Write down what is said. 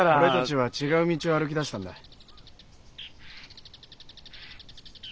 俺たちは違う道を歩きだしたんだ。